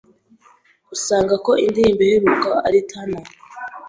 usanga ko indirimbo iherukaho ari Turn Up